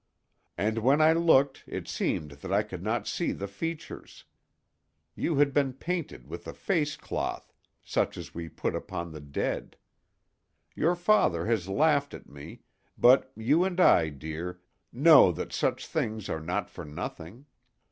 And when I looked it seemed that I could not see the features; you had been painted with a face cloth, such as we put upon the dead. Your father has laughed at me, but you and I, dear, know that such things are not for nothing.